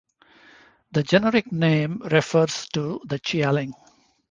The generic name refers to the Chialing.